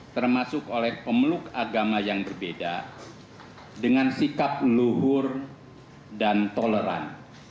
termasuk oleh pemeluk agama yang berbeda dengan sikap luhur dan toleran